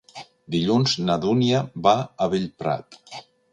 Dilluns na Dúnia va a Bellprat.